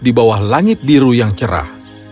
di bawah langit biru yang cerah